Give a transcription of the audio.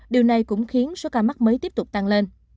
điều này cũng khiến số ca mắc mới tiếp tục tăng lên